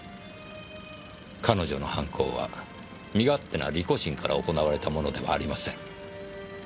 彼女の犯行は身勝手な利己心から行われたものではありません。